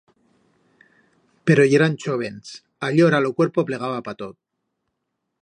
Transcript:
Pero yeran chóvens, allora lo cuerpo plegaba pa todo.